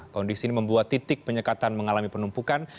kondisi ini membuat titik penyekatan mengalami penumpukan